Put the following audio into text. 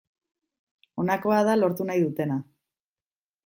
Honakoa da lortu nahi dutena.